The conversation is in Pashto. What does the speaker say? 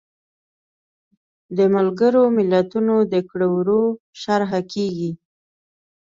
د ملګرو ملتونو د کړو وړو شرحه کیږي.